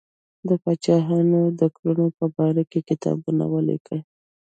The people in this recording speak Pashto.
د پاچاهانو د کړنو په باره کې کتاب ولیکي.